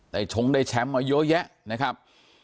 ชงได้แชมป์มาเยอะแยะนะครับ